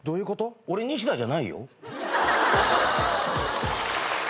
俺ニシダじゃないよ。